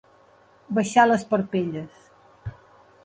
Baixar les parpelles.